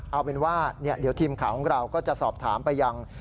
เอาเป็นว่าเดี๋ยวทีมข่าวของเราก็จะสอบถามไปยัง